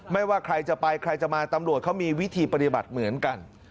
ว่าใครจะไปใครจะมาตำรวจเขามีวิธีปฏิบัติเหมือนกัน